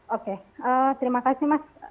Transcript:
oke terima kasih mas